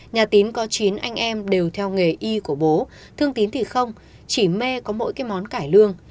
nhà tín có chín anh em đều theo nghề y của bố thương tín thì không chỉ mê có mỗi cái món cải lương